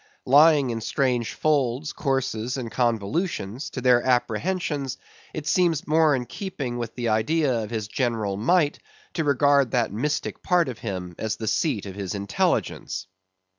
Lying in strange folds, courses, and convolutions, to their apprehensions, it seems more in keeping with the idea of his general might to regard that mystic part of him as the seat of his intelligence.